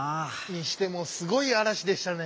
にしてもすごいあらしでしたね。